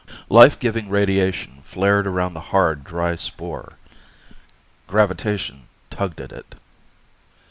Life giving radiation flared around the hard, dry spore. Gravitation tugged at it.